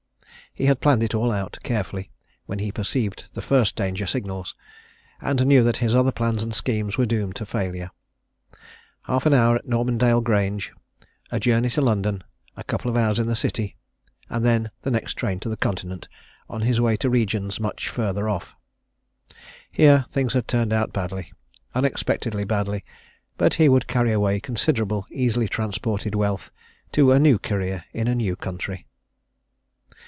He had planned it all out, carefully, when he perceived the first danger signals, and knew that his other plans and schemes were doomed to failure. Half an hour at Normandale Grange a journey to London a couple of hours in the City and then the next train to the Continent, on his way to regions much further off. Here, things had turned out badly, unexpectedly badly but he would carry away considerable, easily transported wealth, to a new career in a new country.